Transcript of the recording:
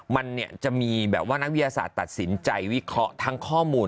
มันเนี่ยจะมีแบบว่านักวิทยาศาสตร์ตัดสินใจวิเคราะห์ทั้งข้อมูล